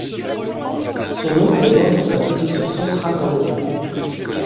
Son nom provient de sa position centrale dans l'État.